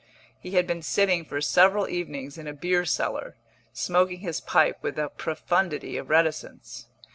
He had been sitting for several evenings in a beer cellar, smoking his pipe with a profundity of reticence.